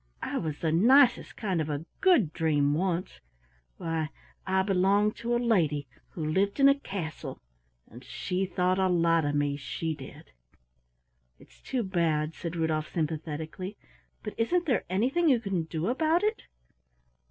I was the nicest kind of a Good Dream once why I belonged to a lady who lived in a castle, and she thought a lot of me, she did!" "It's too bad," said Rudolf sympathetically; "but isn't there anything you can do about it?"